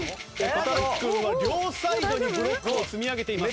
岡君は両サイドにブロックを積み上げています。